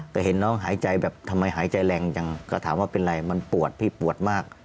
แต่เห็นน้องหายใจแบบทำไมหายใจแรงจังก็ถามว่าเป็นไรมันปวดพี่ปวดมาก